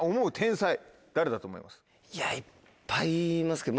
いやいっぱいいますけど。